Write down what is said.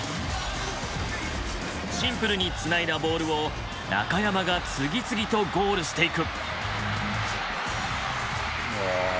シンプルにつないだボールを中山が次々とゴールしていく。